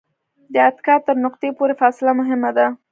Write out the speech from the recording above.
د اتکا تر نقطې پورې فاصله مهمه ده.